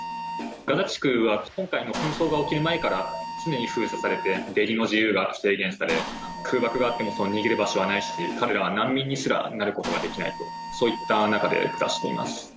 ガザ地区は今回の紛争が起きる前から常に封鎖されて、出入りの自由が制限され、空爆があっても逃げる場所はないし、彼らは難民にすらなることができないと、そういった中で暮らしています。